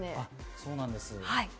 そうなんです。